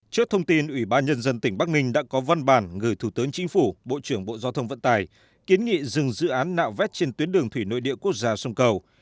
trước thông tin ủy ban nhân dân tỉnh bắc ninh đã có văn bản gửi thủ tướng chính phủ bộ trưởng bộ giao thông vận tài kiến nghị dừng dự án nạo vét trên tuyến đường thủy nội địa quốc gia sông cầu